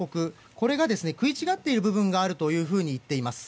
これが食い違っている部分があるというふうに言っています。